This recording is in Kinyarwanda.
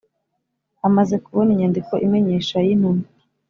Amaze kubona inyandiko imenyesha y intumwa